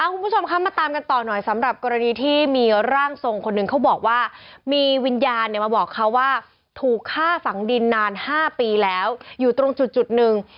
คุณผู้ชมคะมาตามกันต่อหน่อยสำหรับกรณีที่มีร่างทรงคนหนึ่งเขาบอกว่ามีวิญญาณเนี่ยมาบอกเขาว่าถูกฆ่าฝังดินนาน๕ปีแล้วอยู่ตรงจุดหนึ่ง